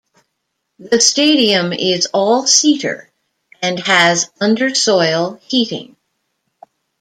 The stadium is all seater and has under-soil heating.